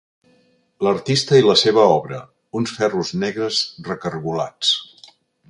L'artista i la seva obra, uns ferros negres recargolats.